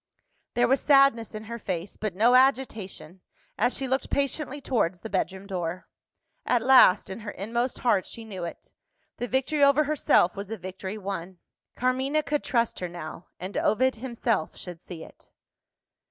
There was sadness in her face, but no agitation, as she looked patiently towards the bedroom door. At last in her inmost heart, she knew it the victory over herself was a victory won. Carmina could trust her now; and Ovid himself should see it!